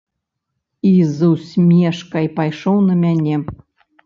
І з усмешкай пайшоў на мяне.